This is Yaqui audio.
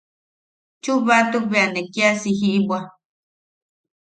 Chubbatuk bea ne kiasa jiʼibwa.